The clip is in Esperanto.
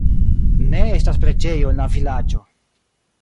Ne estas preĝejo en la vilaĝo.